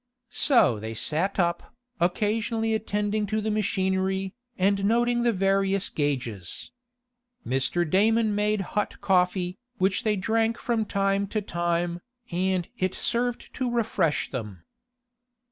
So they sat up, occasionally attending to the machinery, and noting the various gages. Mr. Damon made hot coffee, which they drank from time to time, and it served to refresh them.